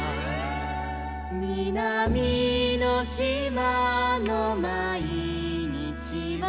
「みなみのしまのまいにちは」